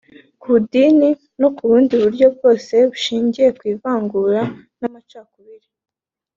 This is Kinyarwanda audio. ku idini no ku bundi buryo bwose bushingiye ku ivangura n’amacakubiri